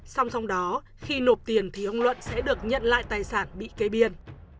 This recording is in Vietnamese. song song đó khi nộp tiền thì ông luận sẽ được nhận lại tài sản bị kê biên